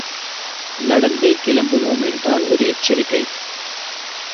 நடந்தே கிளம்புவோம் என்றால் ஒரு எச்சரிக்கை.